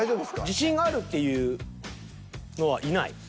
自信があるっていうのはいない？